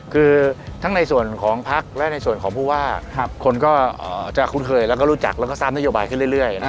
คือทั้งในส่วนของพักและในส่วนของผู้ว่าคนก็จะคุ้นเคยแล้วก็รู้จักแล้วก็ทราบนโยบายขึ้นเรื่อย